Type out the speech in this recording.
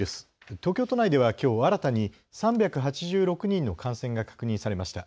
東京都内ではきょう新たに３８６人の感染が確認されました。